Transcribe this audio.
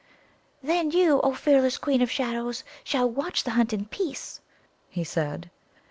"Then you, O fearless Queen of Shadows, shall watch the hunt in peace," he said.